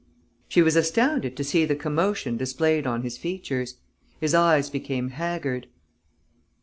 She was astounded to see the commotion displayed on his features. His eyes became haggard.